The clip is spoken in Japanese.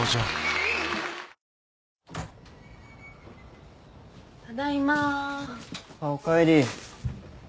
あっおかえり。